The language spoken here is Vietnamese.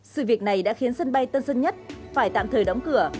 sự việc này đã khiến sân bay tân sơn nhất phải tạm thời đóng cửa